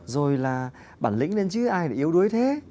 rồi là bản lĩnh lên chứ ai là yếu đuối thế